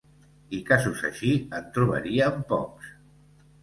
I casos així en trobarien pocs.